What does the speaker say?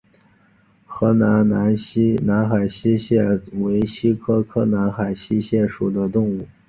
和平南海溪蟹为溪蟹科南海溪蟹属的动物。